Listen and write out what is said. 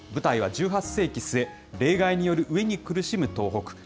舞台は１８世紀末、冷害による飢えに苦しむ東北。